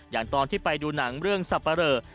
อย่างที่ไปดูหนังเรื่องสับปะเรอ